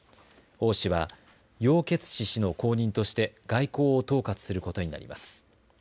王氏は楊潔チ氏の後任として外交を統括ことになります。